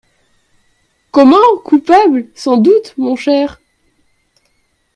Comment ! coupable ! Sans doute, mon cher.